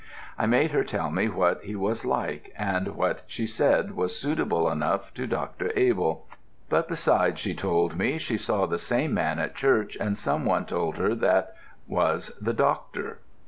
I made her tell me what he was like, and what she said was suitable enough to Dr. Abell; but besides she told me she saw the same man at church and some one told her that was the Doctor.